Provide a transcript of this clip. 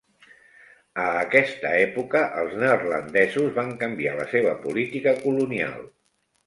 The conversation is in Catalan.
A aquesta època els neerlandesos van canviar la seva política colonial.